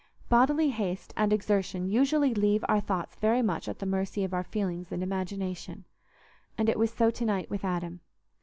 Bodily haste and exertion usually leave our thoughts very much at the mercy of our feelings and imagination; and it was so to night with Adam.